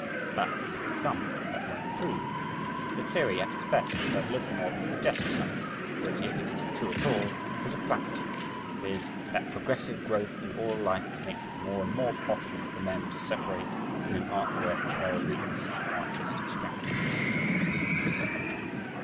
But it is a sum that won't prove! The theory at its best does little more than suggest something, which if it is true at all, is a platitude, viz.: that progressive growth in all life makes it more and more possible for men to separate, in an art work, moral weakness from artistic strength.